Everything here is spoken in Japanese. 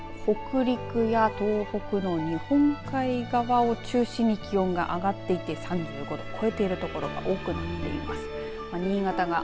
特にきょうも日本海側の地域北陸や東北の日本海側を中心に気温が上がっていて３５度超えているところが多くなっています。